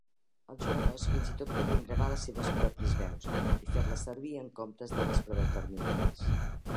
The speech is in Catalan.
Els jugadors fins i tot podien gravar les seves pròpies veus i fer-les servir en comptes de les predeterminades.